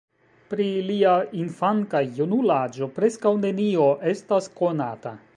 Pri lia infan- kaj junul-aĝo preskaŭ nenio estas konata.